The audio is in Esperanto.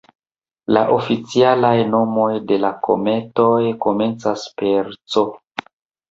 La oficialaj nomoj de la kometoj komencas per "C".